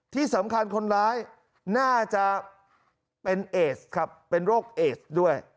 ที่สำคัญคนร้ายน่าจะเป็นเอสครับเป็นโรคเอสด้วย